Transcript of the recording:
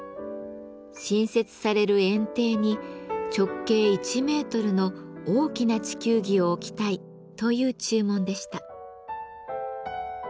新設される園庭に直径１メートルの大きな地球儀を置きたいという注文でした。